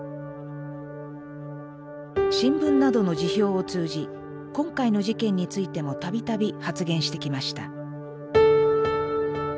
新聞などの時評を通じ今回の事件についても度々発言してきました。